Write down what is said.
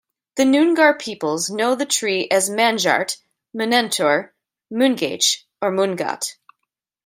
The Noongar peoples know the tree as Manjart, Munertor, Mungaitch or Mungat.